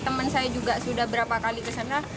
teman saya juga sudah berapa kali ke sana